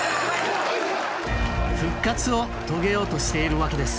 復活を遂げようとしているわけです。